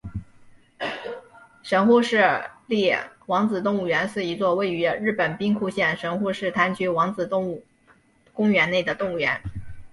神户市立王子动物园是一座位于日本兵库县神户市滩区王子公园内的动物园。